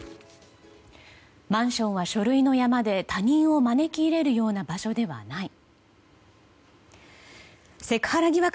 マンションは書類の山で他人を招き入れるような場所ではない。